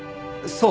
そう！